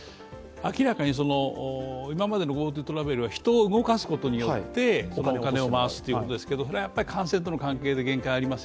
明らかに今までのＧｏＴｏトラベルは人を動かすことによってお金を回すということですが感染との関係で限界があります。